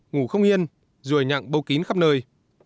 ngủ không yên rồi nhặn bâu kín khắp nơi